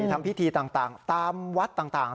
ทำพิธีต่างตามวัดต่าง